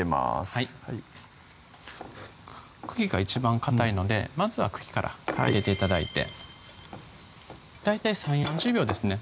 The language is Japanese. はい茎が一番かたいのでまずは茎から入れて頂いて大体３０４０秒ですね